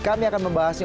kami akan membahasnya